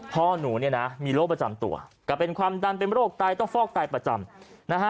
พ่อหนูเนี่ยนะมีโรคประจำตัวก็เป็นความดันเป็นโรคไตต้องฟอกไตประจำนะฮะ